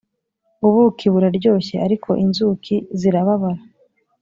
ubuki buraryoshye, ariko inzuki zirababara.